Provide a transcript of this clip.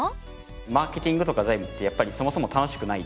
マーケティングとか財務ってそもそも楽しくないテーマ。